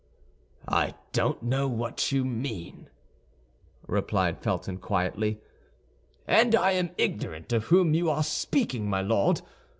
"I don't know what you mean," replied Felton, quietly, "and I am ignorant of whom you are speaking, my Lord.